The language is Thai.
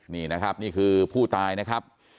นี่คือผู้ตายนะครับ